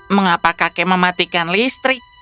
mengapa kakek mematikan listrik